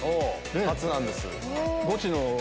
初なんです。